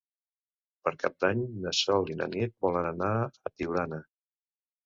Per Cap d'Any na Sol i na Nit volen anar a Tiurana.